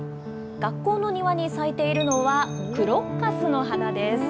学校の庭に咲いているのは、クロッカスの花です。